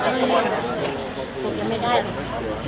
คิดว่าไม่ได้หรอ